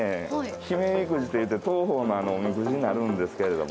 姫みくじといって当方のおみくじになるんですけれども。